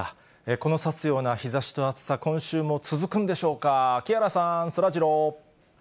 この刺すような日ざしと暑さ、今週も続くんでしょうか、木原さん、そらジロー。